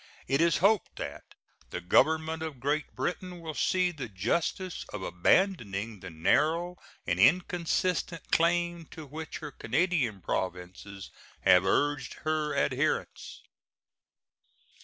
It is hoped that the Government of Great Britain will see the justice of abandoning the narrow and inconsistent claim to which her Canadian Provinces have urged her adherence.